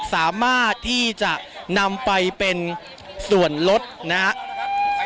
สามารถที่จะนำไปเป็นส่วนลดนะครับ